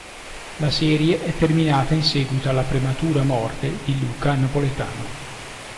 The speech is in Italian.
La serie è terminata in seguito alla prematura morte di Luca Napoletano.